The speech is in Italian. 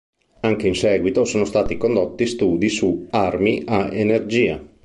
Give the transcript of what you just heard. Anche in seguito sono stati condotti studi su armi a energia.